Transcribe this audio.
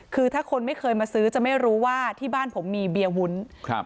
คือถ้าคนไม่เคยมาซื้อจะไม่รู้ว่าที่บ้านผมมีเบียร์วุ้นครับ